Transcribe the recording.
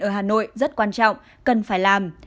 ở hà nội rất quan trọng cần phải làm